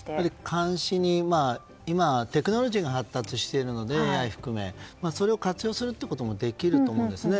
監視に今テクノロジーが発達しているのでＡＩを含めそれを活用することもできると思うんですね。